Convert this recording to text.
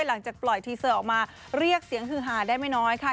หลังจากปล่อยทีเซอร์ออกมาเรียกเสียงฮือหาได้ไม่น้อยค่ะ